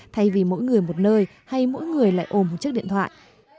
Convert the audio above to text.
thay vì mỗi người một nơi hay mỗi người lại ôm một chiếc điện thoại